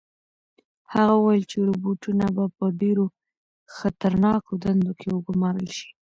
هغه وویل چې روبوټونه به په ډېرو خطرناکو دندو کې وګمارل شي.